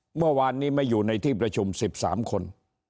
เมื่อวานนี้ไม่อยู่ในที่ประชุม๑๓คน